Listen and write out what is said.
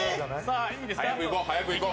早くいこ。